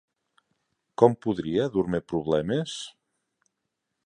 Com podria dur-me problemes?